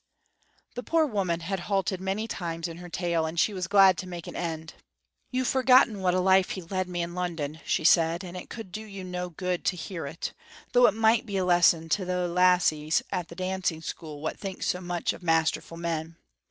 The poor woman had halted many times in her tale, and she was glad to make an end. "You've forgotten what a life he led me in London," she said, "and it could do you no good to hear it, though it might be a lesson to thae lassies at the dancing school wha think so much o' masterful men.